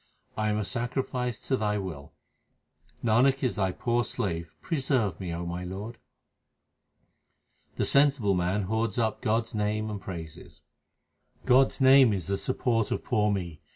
I am a sacrifice to Thy will, Nanak is Thy poor slave ; Preserve me, O my Lord ! The sensible man hoards up God s name and praises : God s name is the support of poor me.